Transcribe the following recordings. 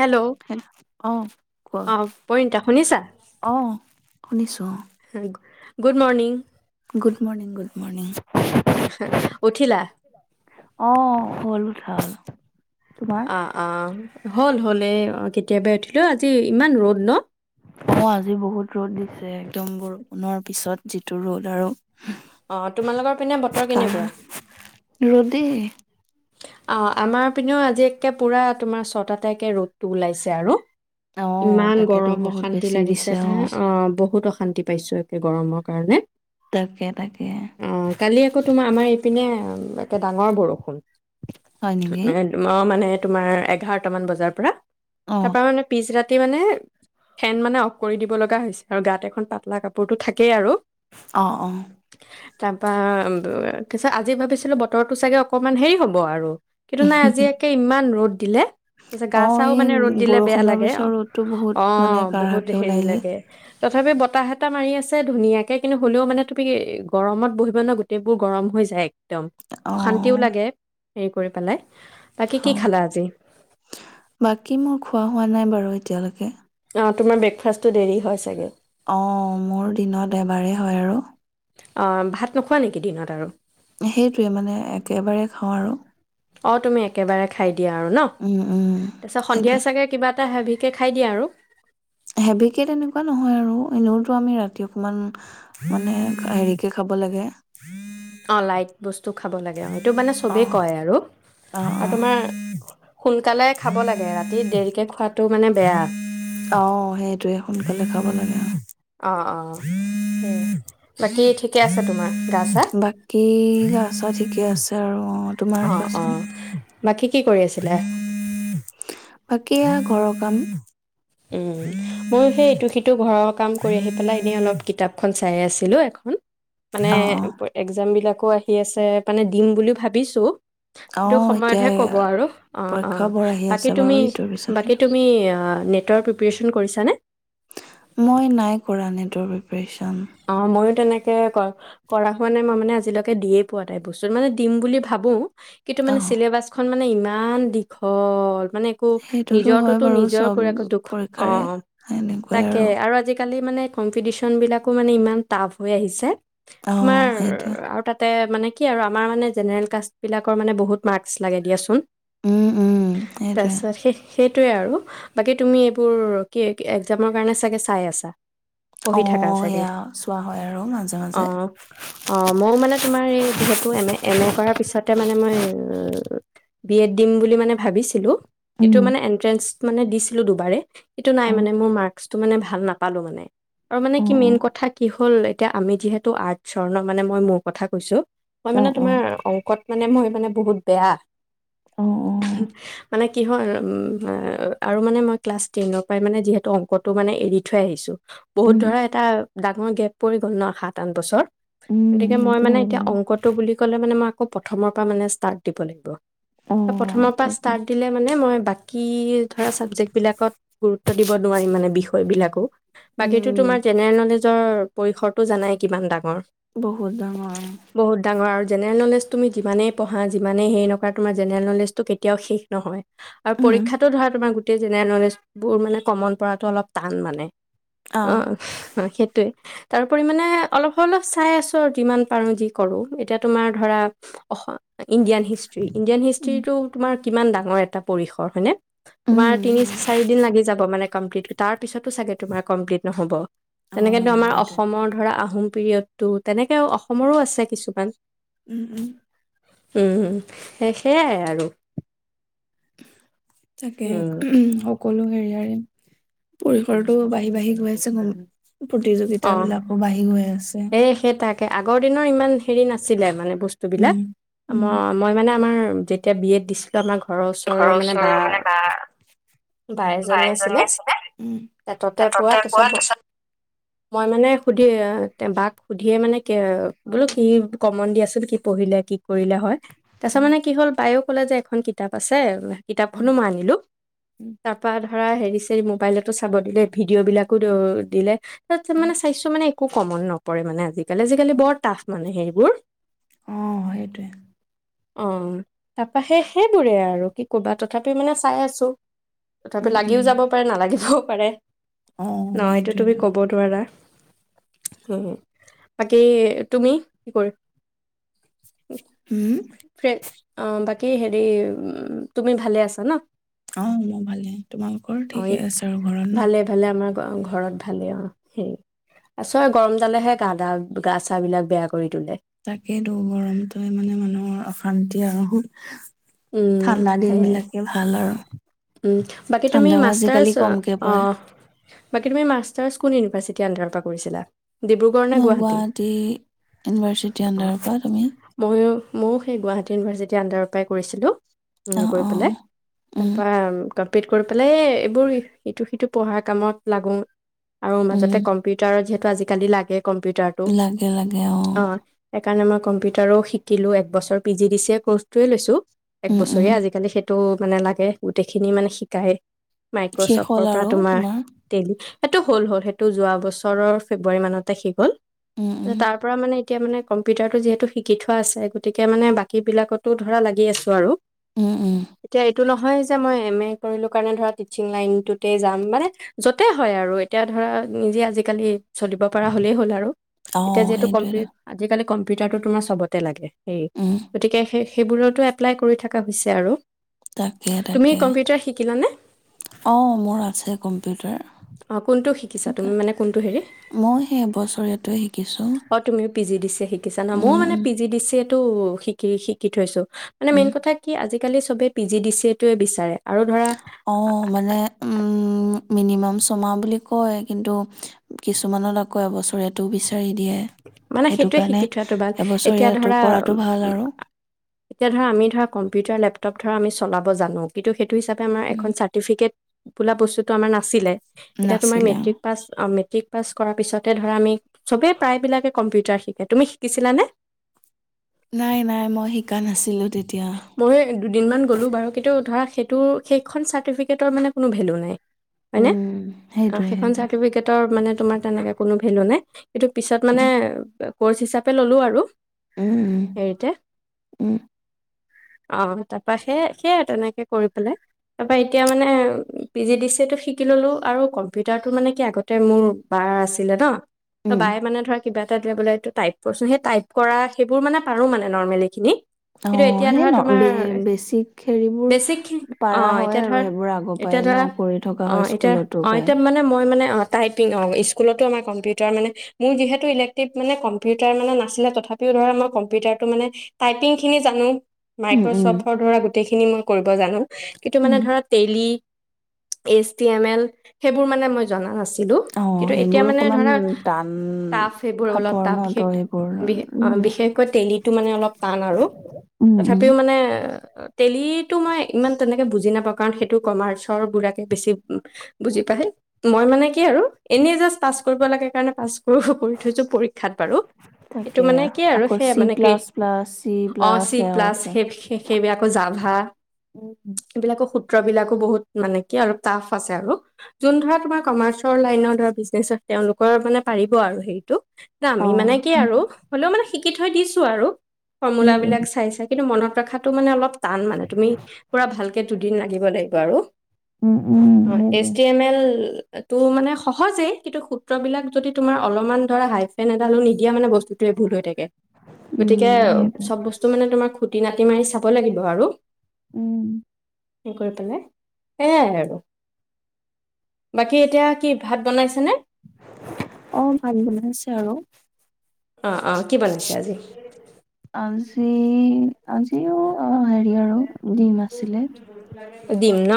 Hello hello অ' কোৱা অ পৰিতা শুনিছা অ' শুনিছোঁ good morning good morning good morning উঠিলা আহ হল উঠাল আহ আহ হ'ল হ'ল এই কেতিয়াবা উঠিলো আজি ইমান ৰ'দ ন অ আজি বহুত ৰ'দ দিছে একদম বৰষুণৰ পিছত যিটো ৰ'দ আৰু আহ তোমালোকৰ পিনে বতৰ কাৰ কেনেকুৱা ৰ'দেই। অ আমাৰ পিনেও আজিে পুৰা তোমাৰ ছটা তাইকে ৰ'দটো ওলাইছে আৰু অ' ইমান তাকেতো গৰম বহুত অশান্তি বেছি দিছে লাগিছে তাই অ বহুত অশান্তি পাইছো তে গৰমৰ কাৰণে তাকে তাকে। অ কালি আকৌ তোমাৰ আমাৰ ইপিনে একে ডাঙৰ বৰষুণ হয় এ নেকি তোমাৰ মানে তোমাৰ এঘাৰটামান বজাৰ পৰা অ'। তাৰপা মানে পিছ ৰাতি মানে ফেন মানে অফ কৰি দিব লগা হৈছে আৰু গাত এখন পাতলা কাপোৰতটো থাকেই আৰু আহ অ তাৰপা পিছত আজি ভাবিছিলো বতৰো চাগে অকনমান হেৰি হল হ'ব আৰু কিন্তু নাই আজি একে ইমান ৰ'দ দিলে তাৰপিছত গা অ চাও এই মানে ৰ'দ দিলে বেয়া বৰষুণৰ লাগে পিছৰ ৰ'দতটো অ বহুত মানে বহুত কাঢ়াকে হেৰি ওলাই যোয় লাগে তথাপি বতাহ এটা মাৰি আছে ধুনীয়াকৈ কিন্তু হ'লেও মানে তুমি গৰমত বহিব ন গোটেইবোৰ গৰম হৈ যায় একদম অশান্তিও অ' লাগে হেৰি কৰি পেলাই বাকী অ কি খালা আজি বাকী মোৰ খোৱা হোৱা নাই বাৰু এতিয়ালৈকে অ তোমাৰ ব্ৰেকফাষ্টটো দেৰি হয় চাগে অ মোৰ দিনত এবাৰেই হয় আৰু অ ভাত নোখোৱা নেকি দিনত আৰু সেইটোৱে মানে একেবাৰে খাওঁ আৰু অ তুমি একেবাৰে খাই দিয়া আৰু ন? উম, উম। তাৰপিছত সন্ধিয়া সেইটোয়ে চাগে কিবা এটা হেভিকে খাই দিয়া আৰু হেভিকে তেনেকুৱা নহয় আৰু এনেওতো আমি ৰাতি অকমান মানে হেৰিকে খাব লাগে অ লাইট বস্তু খাব লাগে আৰু, সেইটো মানে ছবেই অ', কৈ আৰু অ', অ', খালে খাব লাগে ৰাতি দেৰিকে খোৱাত অ সেইটোৱে সোনকালে খাব লাগে আৰু অ অ স বাকী ঠিকে আছে তোমাৰ গা চা বাকী গা চা অ অ বাকী [unintelligible] কি কৰি আছিলাঁ বাকী ঘৰৰ কাম উম মোৰ সেই ইটো সিটো ঘৰত কাম কৰি আহি পেলাই এনে অলপ কিতাপখন চাই আছিলো এখন মানে অ', অ', এক্জাম বিলাক আকৌ আহি আছে মানে দিম বুলি ও ভাবিছো সেইটো অ', এতিয়া সময়তহে ক'ব আৰু অ অ পৰীক্ষাবোৰ আহি বাকী আছে তুমি বাৰু ইটোৰ পিছত বাকী সেইটো তুমি তই প্ৰিপিয়েচন কৰিছ নে কৰিছো অ মইয়ো তেনেকে কৰা হোৱা নাই মই মানে আজিলৈকে দিয়ে পোৱা তাই বস্তুত মানে দিম বুলি ভাবো কিন্তু মানে অ', ছিলেবাছখন মানে ইমান ইমান দীঘল মানে একো সেইটোতো নিজৰ হয় টোতো বাৰু নিজৰ চব কৰে আকো দুখ অ পৰীক্ষাৰে সেনেকুৱাই তাকে আৰু আজিকালি মানে কম্পিটিশ্যনবিলাক আকৌ মানে ইমান টাফ হৈ আহিছে। তোমাৰ অ', সেইটোৱে। আৰু তাতে মানে কি আৰু আমাৰ মানে জেনেৰেল কাষ্ট বিলাকৰ মানে বহুত মাৰ্কচ লাগে দিয়াচোন। উম উম সেইটোৱে। তাৰপিছত সেই সেইটোৱে আৰু বাকী তুমি এইবোৰ কি এক্জামৰ কাৰণে চাগে চাই আছা। পঢ়ি থাকা। অ', এয়া চোৱা হয় আৰু মাজে অ মাজে। অ মইও মানে তোমাৰ এই যিহেতু এম এ কৰাৰ পিছত তামানে মই বি এড দিম বুলি মানে ভাবিছিলো এইটো উম, মানে এন্ট্ৰেন্ঞ্চ। মানে দিছিলো দুবাৰে। এইটো নাই অ', মানে মোৰ মাৰ ইটো মানে ভাল নাপালো মানে। কি অ', মেইন অ', কথা কি হয়? হ'ল এতিয়া আমি যিহেতু আৰ্টচৰ ন মানে মই মোৰ কথা কৈছোঁ মই মানে অ', তোমাৰ অ', অংকত মানে মই মানে বহুত বেয়া। অ', মানে কি হয় আৰু মানে মই ক্লাছ টেনৰ পৰাই মানে যিহেতু অংকটো মানে এৰি থৈ আহিছোঁ বহুত উম, ধৰা ডাঙৰ গেপ পৰি গ'ল ন সাত আঠ বছৰ। উম, গতিকে মই সেইটো মানে হয় এতিয়া বাৰু অংকটো বুলি ক'লে মানে মই আকৌ প্ৰথমৰ পৰা মানে ষ্টাৰ্ট দিব লাগিব। অ', প্ৰথমৰ পৰা তাকে। ষ্টাৰ্ট দিলে মানে মই বাকী ধৰা ছাবজেক্টবিলাকত গুৰুত্ব দিব নোৱাৰিম মানে বিষয়বিলাকো উম, বাকীতো উম, তোমাৰ জেনেৰেল নলেজৰ পৰিসৰটো জানাই কিমান ডাঙৰ? বহুত ডাঙৰ। বহুত ডাঙৰ আৰু জেনেৰেল নলেজ তুমি যিমানেই পঢ়া, যিমানেই হেৰি নকৰা তোমাৰ জেনেৰেল নলেজটো কেতিয়াও শেষ নহয়। আৰু উম, পৰীক্ষাটো ধৰা তোমাৰ গো গোটেই জেনেৰেল নলেজবোৰ মানে কমন পৰাটো অলপ টান মানে। অ'। সেইটোৱে তাৰোপৰি মানে অলপ, অলপ চাই আছো আৰু যিমান পাৰো, যি কৰো এতিয়া তোমাৰ ধৰা অস ইণ্ডিয়ান হিষ্ট্ৰি, ইণ্ডিয়ান উম। হিষ্ট্ৰিটো তোমাৰ কিমান ডাঙৰ এটা পৰিসৰ হয়নে? তোমাৰ উম, তিনি, চাৰি দিন লাগি যাব মানে কমপ্লিট, তাৰ পিছতো চাগে তোমাৰ কমপ্লিট নহ'ব। অ', তেনেকেতো আমাৰ সেইটোৱে অসমৰ ধৰা আহোম পিৰিয়ডটো তেনেকে অসমৰো আছে কিছুমান। উম, উম। উম, সে, সেইয়াই আৰু তাকে উম, [unintelligible] ক'লো হেৰিয়ৰে পৰিসৰটো বাঢ়ি, বাঢ়ি গৈ আছে গম প্ৰতিযোগিতা অ', বিলাকো বাঢ়ি গৈ আছে। এই সেই তাকে আগৰ দিনৰ ইমান হেৰি নাছিলে মানে। বস্তু বিলাক উম, ম, উম। মই মানে আমাৰ যেতিয়া বি এড দিচ আমাৰ ঘৰৰ ওচৰৰ মানে বা, বা এজনী আছিলে উম, এ তাতে টেটতে তাৰপিছত পোৱা ম- তাছত মই মানে সুধি আ বাক সুধিয়ে মানে কে, বোলো কি কমন দিয়াচোন, কি পঢ়িলে, কি কৰিলে হয় তাছত উম মানে কি হ'ল বায়ো ক'লে যে, এখন কিতাপ আছে উম কিতাপখনো মই আনিলোঁ উম তাৰপা ধৰা হেৰিছ মোবাইলতো চাব দিলে ভিডিঅ' বিলাকো দ-দিলে উম [unintelligible] চাইছোঁ মানে একো কমন নপৰে মানে আজিকালি আজিকালি বৰ টাফ মানে সেইবোৰ আহ সেইটোৱে অ তাৰপা সেই সেইবোৰে আৰু কি কবা তথাপিও মানে চাই আছো তথাপি উম উম লাগিও যাব। নালাগিবও পাৰে। অ ন এইটো তুমি সেইটোৱেতো কব দোৱাৰা। উ বাকী তুমি কি কৰি উম অ বাকী কি হেৰি উ তুমি ভালে আছা ন। অ মই ভালে। তোমালোকৰ ঠিকে অ আছে আৰু ঘৰত ন। ভালে ভালে আমাৰ ঘৰত ভালেই অ হে আ চই গৰম তালেহে গাা গা চ বিলাক বেয়া কৰি তোলে। তাকেই দুৰ গৰমটো মানে মানুহৰ অশান্তি আৰু উ ঠাণ্ডা দিন সেয়াই বিলাকে ভাল আৰু বাকী তুমি ঠাণ্ডাও আজিকালি মাষ্টাৰছ কমকে অ। পৰে বাকী তুমি মাষ্টাছ কোন ইউনিভাৰ্চিটি আণ্ডাৰৰ পৰা কৰিছিলা ডিব্ৰুগড় নে মই গুৱাহাটী ইউনিভাৰ্চিটি অন্দাৰৰ পৰা তুমি ময়ও সেই গুৱাহাটী ইউনিভাৰচিটি আণ্ডৰ পৰাই কৰিছিলোঁ অ কৰি অ পেলাই উম তাৰপা কমপ্লিট কৰি পেলাই এইবোৰ ইটো সিটো পঢ়াৰ কামত লাগো আৰু মাজতে উম কম্পিউটাৰত যিহেতু। আজিকালি লাগে। কম্পিউটাৰটো লাগে লাগে আহ অ' সেইকাৰণে মই কম্পিউটাৰো শিকিলোঁ একবছৰ পি জি ডি চিয় ক'ৰ্চটোৱে লৈছোঁ এক উম উম বছৰীয়া আজিকালি সেইটো মানে লাগে গোটেইখিনি মানে শিকায়। শেষ হ'ল মাইক্ৰচফ্টৰ পৰা আৰু তোমাৰ তেলী সেইটো হ'ল হ'ল সেইটো যোৱা বছৰৰ ফেব্ৰুৱাৰী মানতে শেষ হ'ল উম উম তাৰ পৰা মানে এতিয়া মানে কম্পিউটাৰটো যিহেতু শিকি থোৱা আছে গতিকে মানে বাকীবিলাকতো ধৰা লাগি আছে। আৰু উম উম। এতিয়া এইটো নহয় যে মই এম এ কৰিলো কাৰণে ধৰা টিচিং লাইনটোতে যাম মানে য'তে হয় আৰু এতিয়া ধৰা নিজে আজিকালি। চলিব পৰা হ'লেই হ'ল আৰু এতিয়া অ', যিহেতু কম্পিউ সেইটোৱেতো। আজিকালি কম কম্পিউটাৰটো তোমাৰ চবতে লাগে সেই উম, গতিকে সেই সেইবোৰতো এপ্লাই কৰি থকা হৈছে আৰু তাকে তুমি তাকে কম্পিউটাৰ শিকিলানে অঁ মোৰ আছে কম্পিউটাৰ অ কোনটো শিকিছা তুমি মানে কোনটো হেৰি মই সেইবছৰীয়াটোৱে শিকিছো অ তুমিও পি জি দিছে শিক [unintelligible] মোৰ মানে পি জি ডি চি ত টো-শিকি, শিকি থৈছো। মানে মেইন উম। কথা কি আজি কালি চবে পি জি চি এ টোৱে বিচাৰে। আৰু ধৰা অ', মানে উম মিনিমাম ছমাহ বুলি কয় কিন্তু কিছুমানত আকৌ এবছৰিয়াটো বিচাৰি দিয়ে। মানে সেইটো সেইটোৱে কাৰণে শিকি থোৱাটো ভাল। এতিয়া এবছৰীয়াটো ধৰা, কৰাটো ভাল আৰু। উম-এতিয়া ধৰা আমি ধৰা কম্পিউটাৰ লেপ ধৰা আমি চলাব জানো কিন্তু সেই হিচাপে আমৰ উম, এখন চাৰ্টিফিকেট বোলা বস্তুতটো আমাৰ নাছিলে। এতিয়া তোমাৰ নাছিলে অ'। মেট্ৰিক পাছ অ- মেট্ৰিক পাছ কৰা পিছতে ধৰা আমি চবে প্ৰায়বিলাকে কম্পিউটাৰ শিকে, তুমি শিকিছিলানে? নাই নাই মই শিকা নাছিলো। মই দুদিনমান গ'লো বাৰু কেইতিয়াও ধৰা সেইটোৰ সেইখন চাৰ্টিফিকেটৰ মানে কোনো ভেল্যু নাই। হয়নে উম, অঁ সেইটোৱে সেইখন সেইটোৱে। চাৰ্টিফিকেটৰ মানে তোমাৰ তেনেকৈ কোনো ভেল্যু নাই। এইটো পিছত মানে উম, ক'ৰ্চ হিচাপে ল'লোঁ আৰু উম, উম, [unintelligible] হেৰিতে উম, অঁ, তাৰপৰা সেই-সেইয়া তেনেকৈ কৰি পেলাই, তাৰপৰা এতিয়া মানে P G D C A টো শিকি ললোঁ আৰু কম্পিউটাৰটো মানে কি আগতে মোৰ বাৰ আছিলে ন উম। বায়ে মানে ধৰা কিবা এটা তেওঁ বোলে এইটো টাইপ কৰছে সেই টাইপ কৰা সেইবোৰ মানে পাৰো মানে নৰ্মেলি খিনি। কিন্তু অঁ', এতিয়া সেই ধৰা তোমাৰ ন-ব-বেছিক হেৰিবোৰ বেছিক অ পাৰা হয় এতিয়া ধৰ আৰু সেইবোৰ আগৰ এতিয়া পৰাই ন ধৰা কৰি থকা অ' হয় এতিয়া স্কুলতো অ' পায়। এতিয়া মানে মই মানে অ' টাইপিং অ স্কুলতো আমাৰ কম্পিউটাৰ মানে মোৰ যিহেতু ইলেক্টিভ মানে কম্পিউটাৰ মানে নাছিলে তথাপিও ধৰা মই কম্পিউটাৰটো মানে টাইপিং জানো উম, উম, মাইক্ৰচফ্টৰ ধৰা গোটেই [unintelligible] মই কৰিব জানো। কিন্তু মানে উম, ধৰা Tally H T M L, সেইবোৰ মানে মই জনা নাছি অ', কিন্তু এতিয়া সেইবোৰ মানে অকমান ধৰা টান টাফ সবোৰ অলপ খাপৰ টাফ ন ত সেইবোৰ উম, উম। বিশেষ-বি-অ-বিশেষকৈ টেলীটো মানে অলপ টান আৰু। উম তথাপিও মানে, টেলীটো মই ইমান তেনেকে বুজি নাপাওঁ কাৰণ সেইটো ৰ্চৰ গুে বেছি বুজি পাবি মই মানে কি আৰু এনে জা পাছ কৰিব পাচ। কৰি থৈছো পৰীক্ষাত বাৰু এইটো তাকে মানে কি আৰু আকৌ সেয়া চি মানে কি। প্লাছ প্লাছ চি অ প্লাছ চি সেয়াও প্লাছ আছে। সেই সেইবিলাকো জাভা উম। এইবিলাকো সূত্ৰবিলাকো বহুত মানে কি আৰু টাফ আছে। আৰু যোন ধৰা তোমাৰ কমাৰ্চৰ লাইনত ধ বিনে তেওঁলোকৰ মানে পাৰিব আৰু হেৰিটো। অ'। দামি মানে কি আৰু হ'লেও মানে। শটিকি থৈ দিছো আৰু সেইটোৱে ফৰ্মূলাবিলাক চাই চাই কিন্তু মনত। ৰখাটো মানে অলপ। টান মানে তুমি পুৰা ভালকে দুদিন ন। দিব লাগিব আৰু। উম উম সেইটোৱ। তটো মানে সহজেই কিন্তু সূত্ৰবলাক যদি তুমাৰ অলপমান ধৰা হাই ফেন এডালো নিদিয়া মানে বস্তুতোৱে ভুল হৈ থাকে। গতিকে। উম, সেইটো বস্তু মানে তোমাৰ খুটি নাতি মাৰি চাব লাগিব আৰু। উম। কি কৰি পেলাই সয়াই আৰু বাকী এতিয়া কি ভাত বনাইছেনে। অহ ভাল বন আছে আৰু। অ', অ', কি বনাইছে আজি? আজি আজিও অ হেৰি আৰু ডিম আছিলে। দিম ন।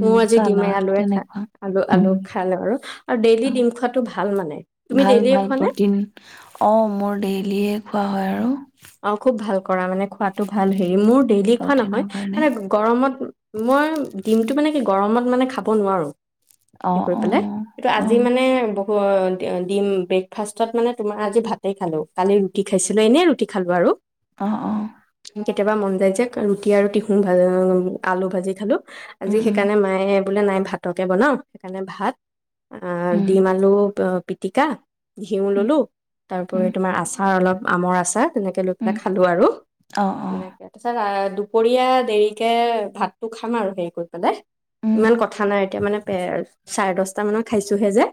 মোৰ আজি চাল ডিমে আলুৱে খা আলু তেনেকুৱা উ আলু খালে আৰু আৰু ডেইলি ডিম খোৱাটো ভাল মানে। তুমি ভাল ডেইলিয়ে ভাল খোৱা নে? প্ৰটিন অ মোৰ ডেইলিয়ে খোৱা হয় আৰু অ খুব ভাল কৰা মানে খোৱাাতটো ভাল হয়। মোৰ ডেইলি খোৱা নহয় প্ৰটিনৰ কাৰণে মানে গৰমত মই। টিমটো মানে কি গৰমত মানে খাব নোৱাৰোঁ। সে অ' কৰি পালাই অ' কিটো আজি অ' মানে। দিম ব্ৰেকফাষ্টত মানে তোমাৰ আজি ভাতে খালো কালি ৰুটি খাইছিলো এনেই। ৰুটিখালো ব আৰু। অহ অ। কেতিয়াবা মন যায় যে ৰুটি আৰু টিহু ভ আলু ভাজি খালোঁ। আজি উম, উম, সেইকাৰণে মায়ে। বোলে নাই ভাতকে বনাওঁ সেইকাৰণে ভাত। আ উম, দিম আলু। পিটিকা ঘিউ উম, ললোঁ, তাৰোপৰি উম, তোমাৰ আচাৰ অলপ আমৰ আচাৰ তেনেকে লৈ পেলাই উম, খালো আৰু অ' অ' এনেকে তছত আ দুপৰীয়া দেৰিকে ভাতটো খাম আৰু হেৰি কৰি উম, ইমান কথা নাই এতিয়া মানে চাৰে দচটা মানত খাইছোহে যে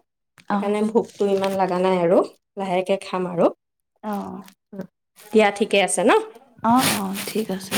অ' সেকাণে ভোকটো ইমান লাগা নাই আৰু লাহেকে খাম আৰু অহ। দিয়া ঠিকে আছে ন অ', অ', ঠিক আছে।